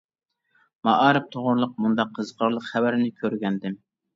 مائارىپ توغرىلىق مۇنداق قىزىقارلىق خەۋەرنى كۆرگەنىدىم.